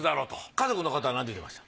家族の方はなんて言うてました？